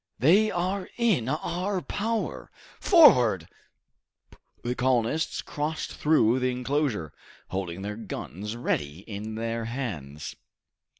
They are in our power! Forward!" The colonists crossed through the enclosure, holding their guns ready in their hands.